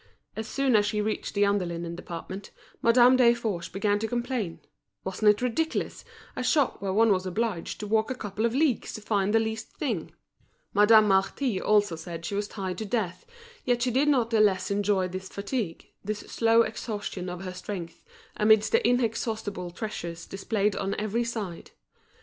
As soon as she reached the under linen department, Madame Desforges began to complain: wasn't it ridiculous, a shop where one was obliged to walk a couple of leagues to find the least thing! Madame Marty also said she was tired to death, yet she did not the less enjoy this fatigue, this slow exhaustion of her strength, amidst the inexhaustible treasures displayed on every side.